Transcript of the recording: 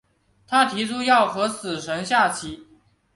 他提出要和死神下棋。